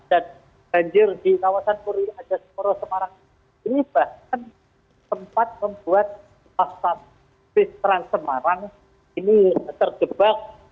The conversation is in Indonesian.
dan banjir di kawasan polri adas koro semarang ini bahkan tempat membuat pasap bis terang semarang ini terjebak